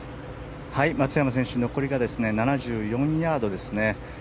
松山選手残り７４ヤードですね。